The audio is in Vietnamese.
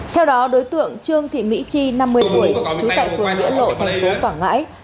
theo đó đối tượng trương thị mỹ chi năm mươi tuổi trú tại phường nghĩa lộ thành phố quảng ngãi